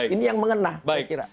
ini yang mengena saya kira